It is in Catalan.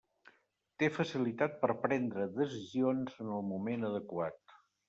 Té facilitat per prendre decisions en el moment adequat.